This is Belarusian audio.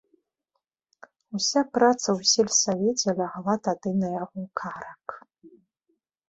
Уся праца ў сельсавеце лягла тады на яго карак.